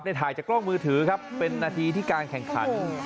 ถ่ายจากกล้องมือถือครับเป็นนาทีที่การแข่งขัน